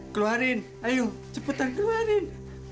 keluarin ayo cepetan keluarin